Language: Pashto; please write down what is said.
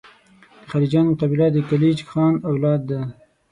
د خلجیانو قبیله د کلیج خان اولاد ده.